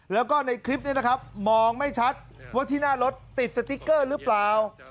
แล้วก็ในคลิปนี้นะครับมองไม่ชัดว่าที่หน้ารถติดสติ๊กเกอร์หรือเปล่า